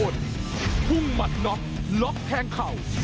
สวัสดีครับ